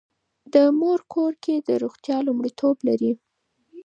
د مور په کور کې روغتیا لومړیتوب لري.